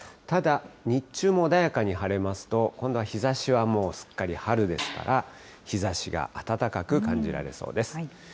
ただ、日中も穏やかに晴れますと、今度は日ざしはもうすっかり春ですから、日ざしが暖かく感じられそうです。